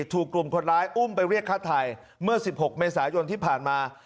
ถูกกลุ่มคนร้ายอุ้มไปเรียกฆ่าไทยเมื่อ๑๖เมษายนที่ผ่านมา